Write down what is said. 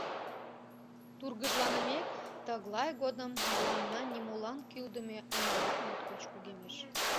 Тургыжланымек, тыглай годым мыланна нимолан кӱлдымӧ амалат моткоч кугемеш.